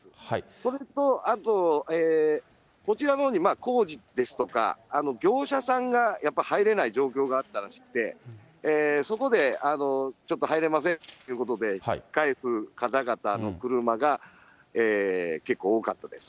それとあと、こちらのほうに工事ですとか、業者さんがやっぱ入れない状況があったらしくて、そこでちょっと入れませんということで、引き返す方々の車が結構多かったです。